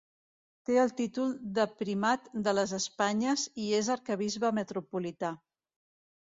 Té el títol de Primat de les Espanyes i és Arquebisbe Metropolità.